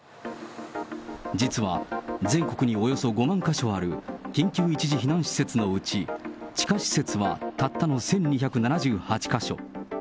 実は全国におよそ５万か所ある緊急一時避難施設のうち、地下施設はたったの１２７８か所。